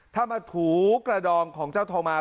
ถ้ามาถูกระดองของเจ้าทองมา